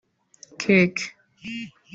cake